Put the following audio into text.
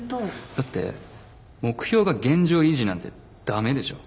だって目標が現状維持なんてダメでしょ？